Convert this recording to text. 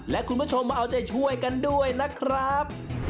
และคุณผู้ชมมาเอาใจช่วยกันด้วยนะครับ